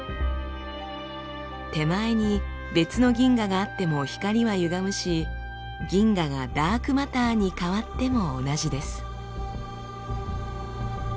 手前に別の銀河があっても光はゆがむし銀河がダークマターに変わっても同じです。